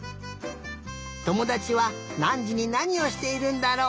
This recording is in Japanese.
ともだちはなんじになにをしているんだろう？